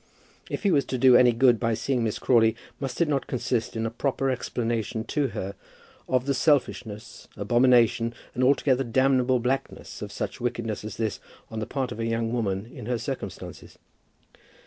If he was to do any good by seeing Miss Crawley, must it not consist in a proper explanation to her of the selfishness, abomination, and altogether damnable blackness of such wickedness as this on the part of a young woman in her circumstances?